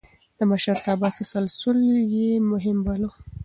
د مشرتابه تسلسل يې مهم باله.